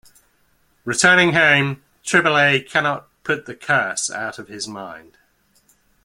Returning home, Triboulet cannot put the curse out of his mind.